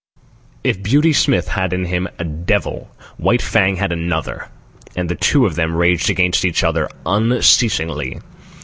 If Beauty Smith had in him a devil, White Fang had another; and the two of them raged against each other unceasingly.